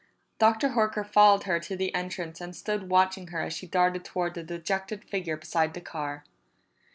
Dr. Horker followed her to the entrance and stood watching her as she darted toward the dejected figure beside the car.